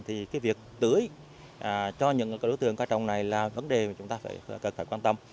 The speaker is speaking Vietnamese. thì việc tưới cho những đối tượng ca trọng này là vấn đề mà chúng ta phải quan tâm